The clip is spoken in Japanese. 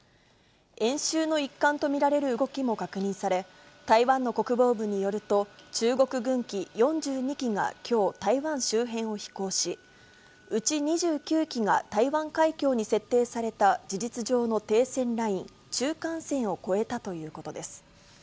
演習の一環と見られる動きも確認され、台湾の国防部によると、中国軍機４２機がきょう、台湾周辺を飛行し、うち２９機が台湾海峡に設定された事実上の停戦ライン、中間線を越えたということです。